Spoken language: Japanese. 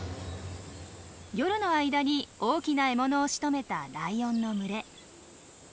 夜の間に大きな獲物をしとめたライオンの群れ。